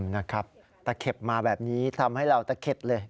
นะครับตะเข็บมาแบบนี้ทำให้เราตะเข็ดเลย